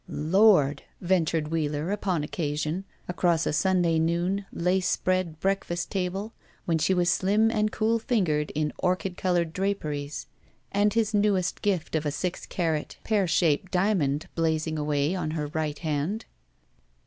''Lord!*' venttired Wheeler, upon occasion, across a Sunday noon, lace spread breakfast table, when she was slim and cool fingered in orchid colored draperies, and his newest gift of a six carat, pear 69 BACK PAY shaped diamond blazing away on her right hand.